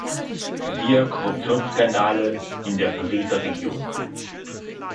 Siehe Korruptionsskandale in der Pariser Region.